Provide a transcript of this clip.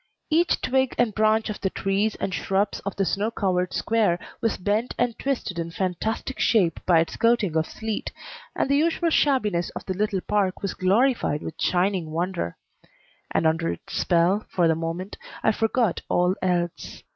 Each twig and branch of the trees and shrubs of the snow covered Square was bent and twisted in fantastic shape by its coating of sleet, and the usual shabbiness of the little park was glorified with shining wonder; and under its spell, for the moment, I forgot all else.